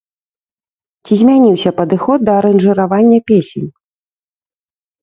Ці змяніўся падыход да аранжыравання песень?